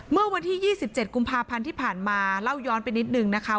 เมื่อวันที่๒๗กุมภาพันธ์ที่ผ่านมาเล่าย้อนไปนิดนึงนะคะ